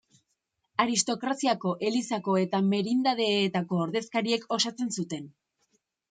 Aristokraziako, elizako eta merindadeetako ordezkariek osatzen zuten.